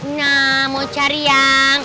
nah mau cari yang